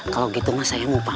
kalau begitu saya mau pamit